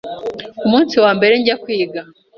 Umunsi wa mbere njya kwiga